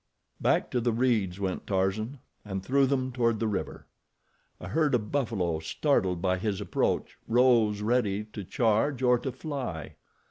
Back to the reeds went Tarzan, and through them toward the river. A herd of buffalo, startled by his approach, rose ready to charge or to fly.